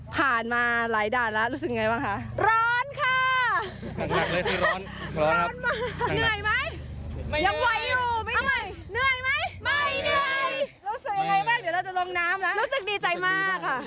ผ่านมาหลายด้านแล้วรู้สึกยังไงบ้างคะ